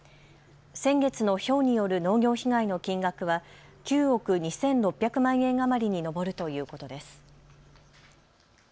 先月のひょうによる農業被害の金額は９億２６００万円余りに上るということです。